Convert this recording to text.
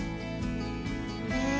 へえ。